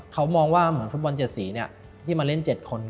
เขามองว่าเหมือนฟุตบอล๗สีที่มาเล่น๗คน